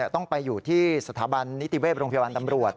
ต้องไปอยู่ที่สถาบันนิติเวศโรงพยาบาลตำรวจ